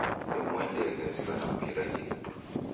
Ndemuendeghe zighana mpira idime